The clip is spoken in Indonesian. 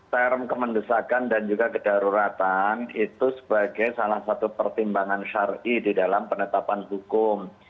term kemendesakan dan juga kedaruratan itu sebagai salah satu pertimbangan syari di dalam penetapan hukum